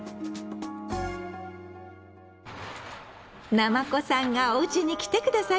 なまこさんがおうちに来て下さいました。